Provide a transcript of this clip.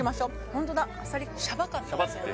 ホントだシャバかったですよね